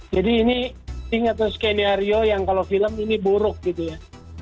jadi ini tingkatan skenario yang kalau film ini buruk gitu ya